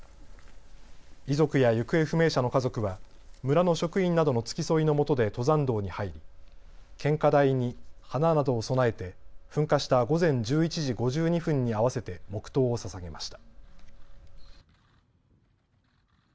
遺族や行方不明者の家族は村の職員などの付き添いのもとで登山道に入り献花台に花などを供えて噴火した午前１１時５２分に合わせて黙とうをささげました。